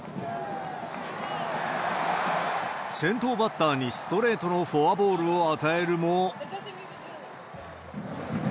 先頭バッターにストレートのフォアボールを与えるも。